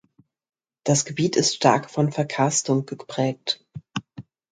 Das Gebiet ist stark von Verkarstung geprägt.